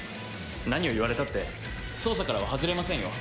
何を言われたって捜査からは外れませんよ。